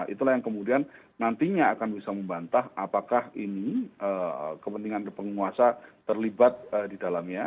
itulah yang kemudian nantinya akan bisa membantah apakah ini kepentingan penguasa terlibat di dalamnya